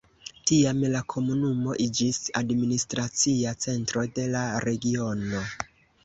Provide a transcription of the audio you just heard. Tiam la komunumo iĝis administracia centro de la regiono.